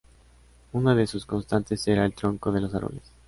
Una de sus constantes era el tronco de los árboles.